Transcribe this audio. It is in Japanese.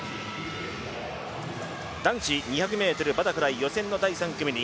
男子２００ｍバタフライ予選の第３組に。